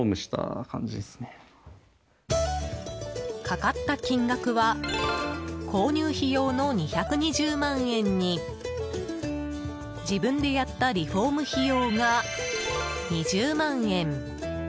かかった金額は購入費用の２２０万円に自分でやったリフォーム費用が２０万円。